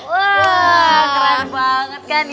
wah keren banget kan